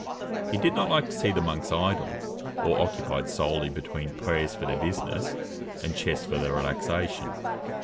He did not like to see the monks idle, or occupied solely between prayers for their business, and chess for their relaxation.